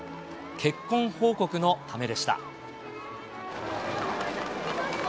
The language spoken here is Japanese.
結婚報告のためでした。